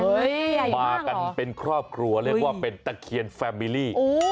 มากันเป็นครอบครัวเรียกว่าเป็นตะเคียนแฟมิลี่